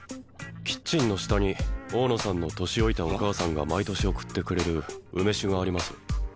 キッチンの下に大野さんの年老いたお母さんが毎年送ってくれる梅酒があります